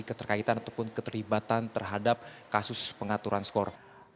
keterkaitan ataupun keterlibatan terhadap kasus pengaturan skor